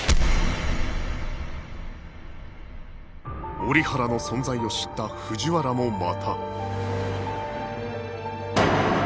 折原の存在を知った藤原もまた